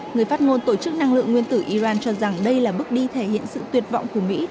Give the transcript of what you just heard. người phát ngôn tổ chức năng lượng nguyên tử iran cho rằng đây là bước đi thể hiện sự tuyệt vọng của mỹ